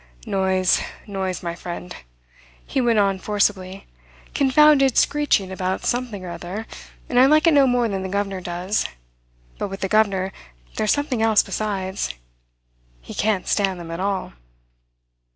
"Noise, noise, my friend," he went on forcibly; "confounded screeching about something or other, and I like it no more than the governor does. But with the governor there's something else besides. He can't stand them at all."